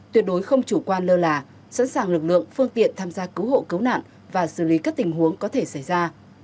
tuyệt đối không chủ quan lơ là sẵn sàng lực lượng phương tiện tham gia cứu hộ cấu nạn và xử lý các tình huống có thể xảy ra